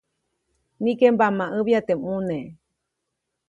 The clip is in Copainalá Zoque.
Nimeke mbamaʼäbya teʼ ʼmune.